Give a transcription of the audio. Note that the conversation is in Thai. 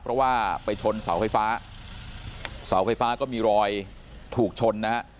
เพราะว่าไปชนเสาไฟฟ้าเสาไฟฟ้าก็มีรอยถูกชนนะฮะ